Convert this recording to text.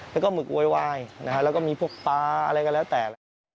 แล้วก็หมึกโวยวายแล้วก็มีพวกปลาอะไรก็แล้วแต่นะครับ